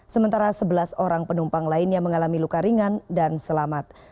sementara sebelas orang penumpang lainnya mengalami luka ringan dan selamat